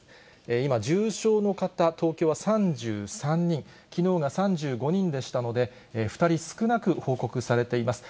今、重症の方、東京は３３人、きのうが３５人でしたので、２人少なく報告されています。